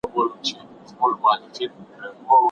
که ته زکات ورکړې نو مال دې ډیریږي.